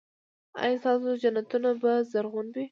ایا ستاسو جنتونه به زرغون وي؟